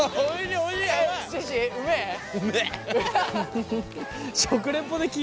おいしい！